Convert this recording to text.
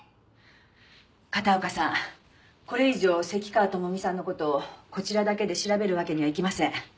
片岡さんこれ以上関川朋美さんの事をこちらだけで調べるわけにはいきません。